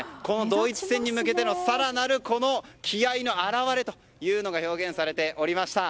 ドイツ戦に向けての更なる気合の表れが表現されておりました。